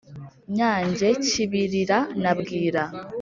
Nyange Kibirira na Bwira